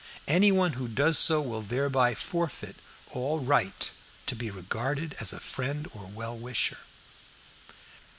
Anyone who does so will thereby forfeit all right to be regarded as a friend or well wisher."